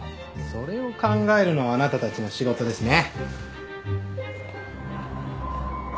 それを考えるのはあなたたちの仕事ですね。